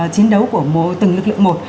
chiến đấu của từng lực lượng một